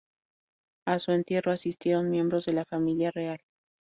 A su entierro asistieron miembros de la familia real.